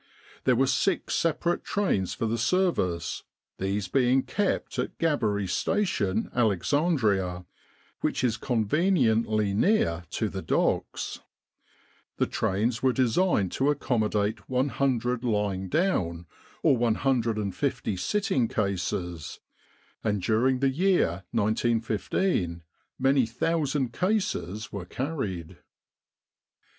There were six separate trains for the service, these being kept at Gabbary Station, Alexandria, which is conveniently near to the docks. The trains were designed to accommodate 100 lying down, or 150 sitting cases; and during the year 1915 many thousand cases were carried.